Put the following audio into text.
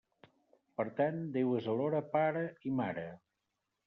Per tant, Déu és alhora pare i mare.